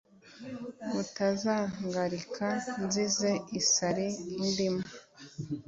Utazangarika nzize isari indimo